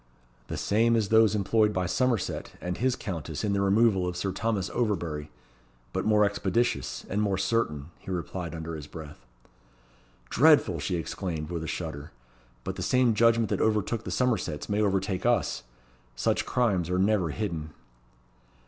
"The same as those employed by Somerset and his Countess in the removal of Sir Thomas Overbury; but more expeditious and more certain," he replied under his breath. "Dreadful!" she exclaimed, with a shudder. "But the same judgment that overtook the Somersets may overtake us. Such crimes are never hidden."